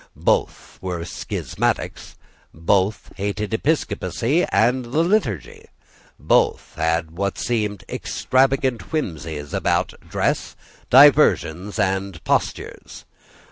Both were schismatics. Both hated episcopacy and the Liturgy. Both had what seemed extravagant whimsies about dress, diversions and postures.